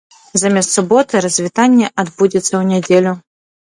Замест суботы развітанне адбудзецца ў нядзелю.